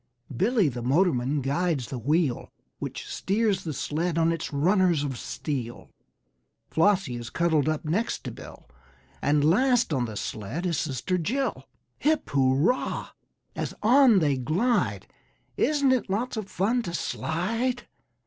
Billy, the motorman, guides the wheel Which steers the sled on its runners of steel. Flossie is cuddled up next to Bill, And last on the sled is Sister Jill. Hip hurrah! as on they glide, Isn't it lots of fun to slide?